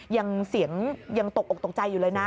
ยังเสียงยังตกอกตกใจอยู่เลยนะ